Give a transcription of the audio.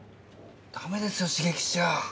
ダメですよ刺激しちゃあ。